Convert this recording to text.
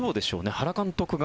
原監督が